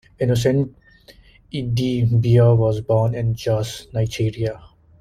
Innocent Idibia was born in Jos, Nigeria.